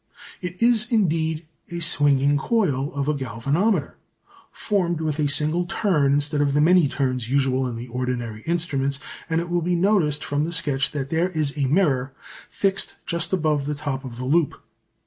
It is indeed a swinging coil of a galvanometer formed with a single turn instead of the many turns usual in the ordinary instruments, and it will be noticed from the sketch that there is a mirror fixed just above the top of the loop.